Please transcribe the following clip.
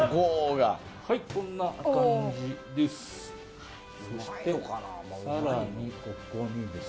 こんな感じです。